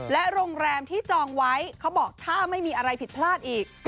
โรงแรมที่จองไว้เขาบอกถ้าไม่มีอะไรผิดพลาดอีก